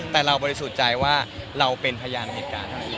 แต่เราบริสุทธิ์ใจว่าเราเป็นพยานเหตุการณ์เท่านั้น